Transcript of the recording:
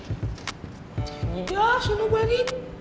iya seneng gua lagi